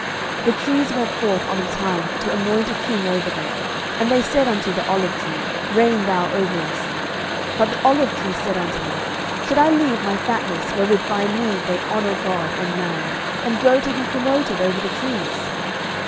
07:009:008 The trees went forth on a time to anoint a king over them; and they said unto the olive tree, Reign thou over us. 07:009:009 But the olive tree said unto them, Should I leave my fatness, wherewith by me they honour God and man, and go to be promoted over the trees?